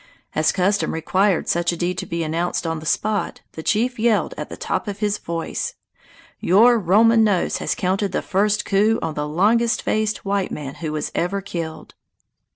As custom required such a deed to be announced on the spot, the chief yelled at the top of his voice: "Your Roman Nose has counted the first coup on the longest faced white man who was ever killed!"